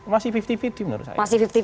masih lima puluh lima puluh menurut saya